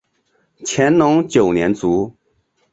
乾隆九年卒。